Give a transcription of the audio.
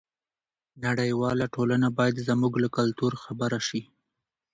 نړیواله ټولنه باید زموږ له کلتور خبره شي.